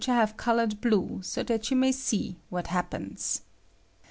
81 I have colored blue, go that you may see what happens.